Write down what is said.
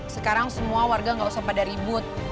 sekarang semua warga nggak usah pada ribut